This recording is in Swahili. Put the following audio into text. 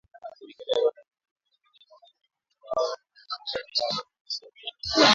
Serikali ya Rwanda vile vile imedai kwamba watu hao wawili walioasilishwa na jeshi la Demokrasia ya Kongo